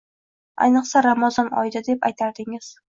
Ayniqsa, Ramazon oyida deb, aytardingiz